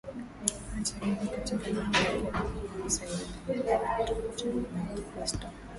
Hata hivyo katika miaka ya karibuni wamasai wengi wamekuwa wanafuata dini ya kikiristo